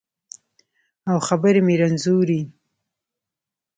او خبرې مې رنځورې